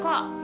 aku mau pergi